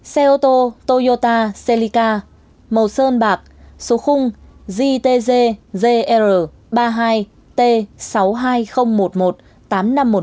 xe ô tô toyota celica màu sơn bạc số khung jtzgr ba mươi hai t sáu mươi hai nghìn một mươi một tám nghìn năm trăm một mươi một số máy một zz tám trăm năm mươi tám nghìn chín trăm sáu mươi một năm sản xuất hai nghìn